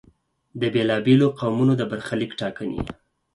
د بېلا بېلو قومونو د برخلیک ټاکنې.